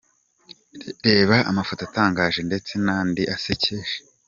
Reba amafoto atangaje ndetse n’andi asekeje.